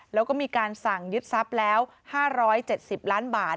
แล้วก็มีการสั่งยึดทรัพย์แล้ว๕๗๐ล้านบาท